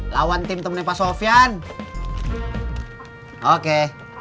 lawan tim temen pak sofyan oke